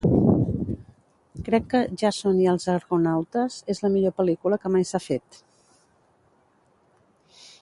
Crec que "Jàson i els argonautes" és la millor pel·lícula que mai s'ha fet.